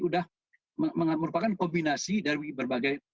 udah merupakan kombinasi dari berbagai jenis nasi